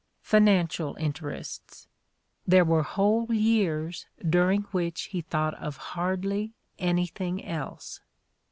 Financial interests! — there were whole years during which he thought of hardly anything else.